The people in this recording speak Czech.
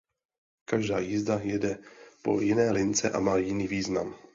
Každá jízda jede po jiné lince a má jiný význam.